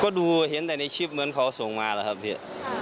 ก็ดูเห็นแต่ในคลิปเหมือนเขาส่งมาแล้วครับพี่